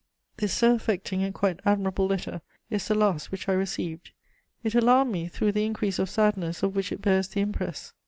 This so affecting and quite admirable letter is the last which I received; it alarmed me through the increase of sadness of which it bears the impress.